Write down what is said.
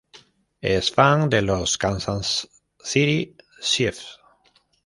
Es fan de los "Kansas City Chiefs".